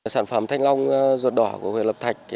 sản phẩm thanh long ruột đỏ của huyện là vân trục xuân hòa ngọc mỹ